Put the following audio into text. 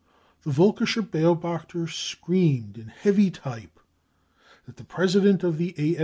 The Volkischer Beobachter screamed in heavy type that the president of the A.